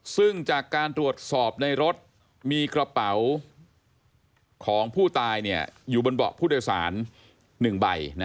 ซึ่งจากการตรวจสอบในรถมีกระเป๋าของผู้ตายอยู่บนเบาะผู้โดยสาร๑ใบ